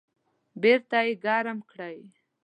بیرته یې ګرم کړئ